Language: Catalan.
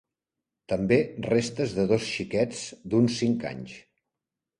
També restes de dos xiquets d'uns cinc anys.